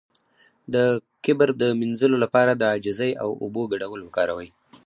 د کبر د مینځلو لپاره د عاجزۍ او اوبو ګډول وکاروئ